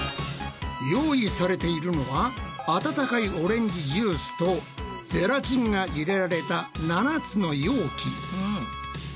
用意されているのは温かいオレンジジュースとゼラチンが入れられた７つの容器。